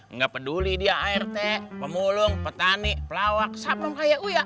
nggak peduli dia art pemulung petani pelawak sapung kayak uya